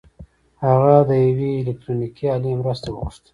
هغه د يوې الکټرونيکي الې مرسته وغوښته.